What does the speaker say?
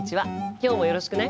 今日もよろしくね。